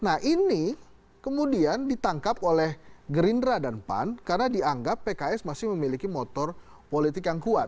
nah ini kemudian ditangkap oleh gerindra dan pan karena dianggap pks masih memiliki motor politik yang kuat